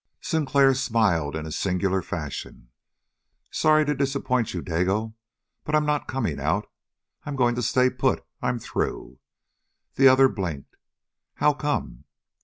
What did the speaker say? Sinclair smiled in a singular fashion. "Sorry to disappoint you, Dago. But I'm not coming out. I'm going to stay put. I'm through." The other blinked. "How come?"